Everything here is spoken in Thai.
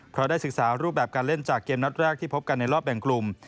เพราะได้ศึกษารูปแบบการเล่นจากเกมนัดแรกที่พบกันในรอบแบ่งกลุ่ม